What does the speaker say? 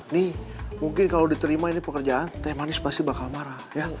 nih mungkin kalau diterima ini pekerjaan teh manis pasti bakal marah